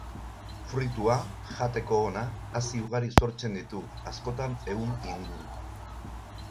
Fruitua, jateko ona, hazi ugari sortzen ditu, askotan ehun inguru.